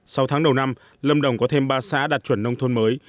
sau tháng đầu năm lâm đồng có thêm ba xã đạt chuẩn nông thôn mới